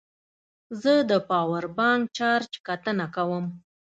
زه د پاور بانک چارج کتنه کوم.